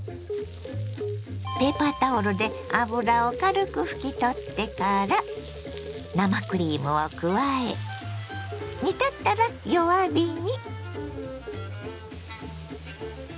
ペーパータオルで脂を軽く拭き取ってから生クリームを加え煮立ったら弱火に。